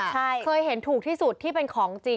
เธอซื้อที่ไหนซื้อที่ไหน